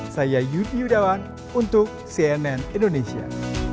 saya yudh yudhawan untuk cnn indonesia